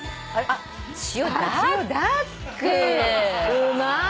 うまい！